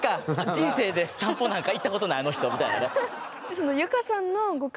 「人生で散歩なんか行ったことないあの人」みたいなね。